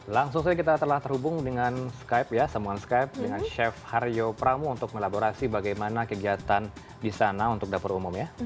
langsung saja kita telah terhubung dengan skype ya sambungan skype dengan chef harjo pramu untuk melaborasi bagaimana kegiatan di sana untuk dapur umum ya